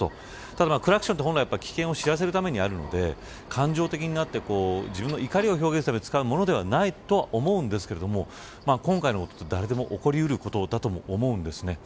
ただ、クラクションは本来は危険を知らせるためにあるので感情的になって、自分の怒りを表現するために使うものではないと思いますが今回のことは誰でも起こりうるものだと思います。